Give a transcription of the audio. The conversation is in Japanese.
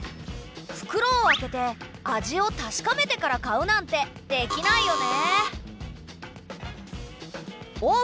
ふくろを開けて味を確かめてから買うなんてできないよね。